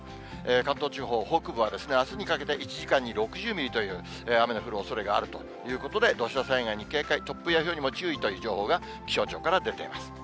関東地方北部はあすにかけて１時間に６０ミリという雨の降るおそれがあるということで、土砂災害に警戒、突風やひょうにも注意という情報が気象庁から出てます。